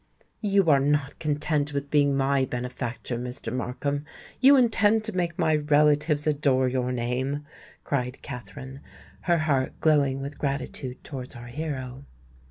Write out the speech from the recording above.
"You are not content with being my benefactor, Mr. Markham: you intend to make my relatives adore your name!" cried Katherine, her heart glowing with gratitude towards our hero.